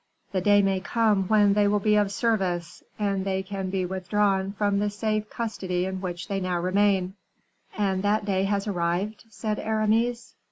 The day may come when they will be of service; and they can be withdrawn from the safe custody in which they now remain." "And that day has arrived?" said Aramis.